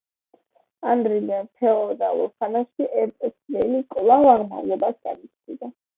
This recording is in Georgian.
ადრინდელ ფეოდალურ ხანაში ერწოს ველი კვლავ აღმავლობას განიცდიდა.